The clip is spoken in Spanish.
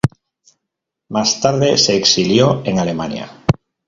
Más tarde se exilió en Alemania.